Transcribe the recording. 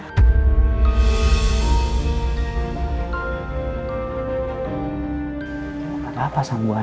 tidak ada apa sam bu adin